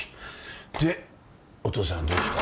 でお父さんはどうした？